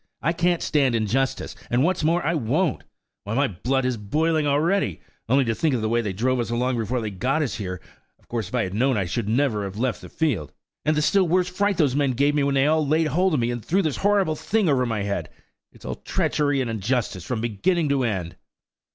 I can't stand injustice; and what's more, I won't. Why, my blood is boiling already. Only to think of the way they drove us along before they got us here. Of course, if I had known, I should never have left the field. And the still worse fright those men gave me when they all laid hold of me and threw this horrible thing over my head! It's all treachery and injustice from beginning to end."